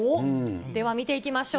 では見ていきましょう。